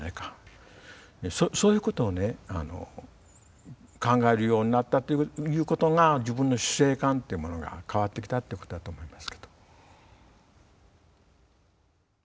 そういうことを考えるようになったということが自分の死生観っていうものが変わってきたということだと思いますけど。